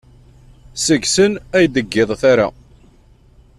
Seg-sen ay d-ggiḍ tara.